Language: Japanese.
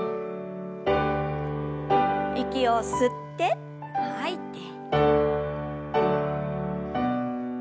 息を吸って吐いて。